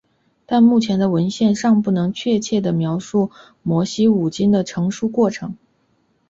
但目前的文献尚不能确切地描述摩西五经的成书过程。